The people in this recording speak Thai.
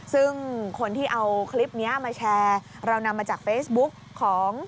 ซึ่งคนที่เอาคลิปนี้มาแชร์เรานำมาจากเฟซบุ๊กของ